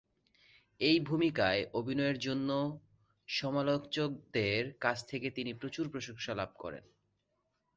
এই ভূমিকায় অভিনয়ের জন্য সমালোচকদের কাছ থেকে তিনি প্রচুর প্রশংসা লাভ করেন।